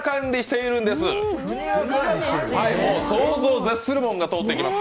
想像を絶するものが通っていきます。